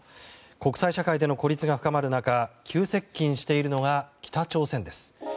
国際社会での孤立が深まる中急接近しているのが北朝鮮です。